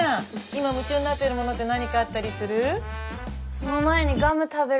今夢中になってるものって何かあったりする？